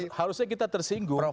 karena harusnya kita tersinggung